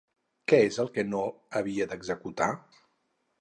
Què és el que no havia d'executar?